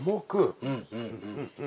うんうん。